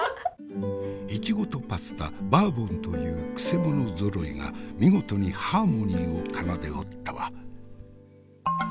いちごとパスタバーボンというくせ者ぞろいが見事にハーモニーを奏でおったわ。